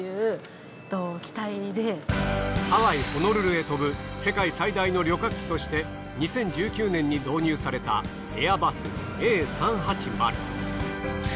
ハワイホノルルへ飛ぶ世界最大の旅客機として２０１９年に導入されたエアバスＡ３８０。